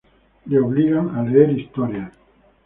Lo obligan a leer historias.